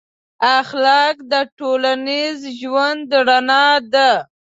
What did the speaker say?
اخلاق د ټولنیز ژوند رڼا ده.